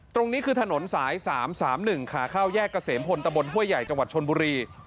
ตรงนี้คือถนนสาย๓๓๑ขาเข้าแยกเกษมพลตะบนห้วยใหญ่จังหวัดชนบุรี